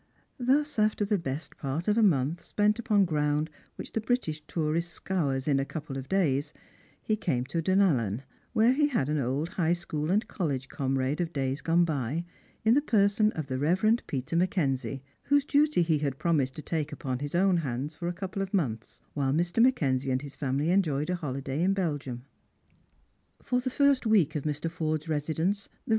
Thus, after the best part of a month spent upon ground which the British tourist scours in a couple of days, he came to Dunallen, where he had an old High School and college comrade of days gone by, in the person of the Kev. Peter Mackenzie, whose duty he had promised to take upon his own hands for a couple of months, while Mr. Mackenzie and his family enjoyed a holiday in Belgium. For the first week of Mr. Forde's residence the Eev.